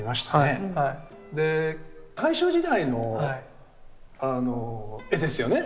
で大正時代の絵ですよね。